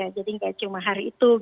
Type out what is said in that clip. jadi tidak cuma hari itu